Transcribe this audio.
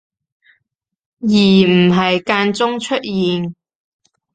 而唔係間中出現